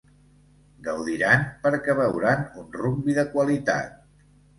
Gaudiran perquè veuran un rugbi de qualitat.